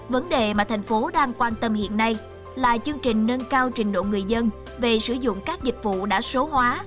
vấn đề mà thành phố đang quan tâm hiện nay là chương trình nâng cao trình độ người dân về sử dụng các dịch vụ đã số hóa